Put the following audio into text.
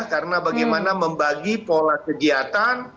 karena bagaimana membagi pola kegiatan